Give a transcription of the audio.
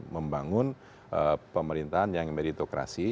membangun pemerintahan yang meritokrasi